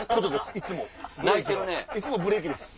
いつもブレーキです。